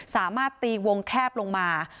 สามารถตีวงแคบลงมา